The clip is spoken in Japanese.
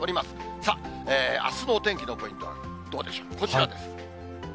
さあ、あすのお天気のポイントはどうでしょう、こちらです。